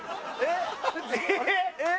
えっ？